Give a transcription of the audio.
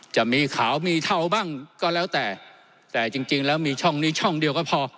จะมีขาวมีเทาบ้างก็แล้วแต่แต่จริงจริงแล้วมีช่องนี้ช่องเดียวก็พอ